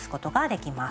いきます！